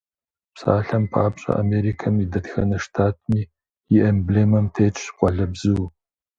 Псалъэм папщӀэ, Америкэм и дэтхэнэ штатми и эмблемэм тетщ къуалэбзу.